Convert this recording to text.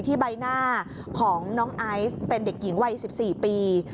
ใบหน้าของน้องไอซ์เป็นเด็กหญิงวัย๑๔ปี